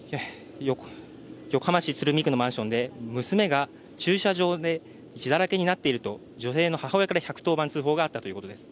横浜市鶴見区のマンションで、娘が駐車場で血だらけになっていると女性の母親から１１０番通報があったということです。